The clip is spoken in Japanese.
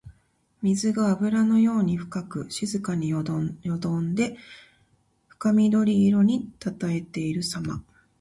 水があぶらのように深く静かによどんで深緑色にたたえているさま。